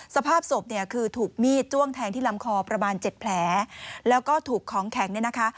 สภาพศพเนี่ยคือถูกมีดจ้วงแทงที่ลำคอประมาณเจ็ดแผลแล้วก็ถูกของแข็งเนี่ยนะคะ